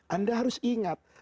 anda harus ingat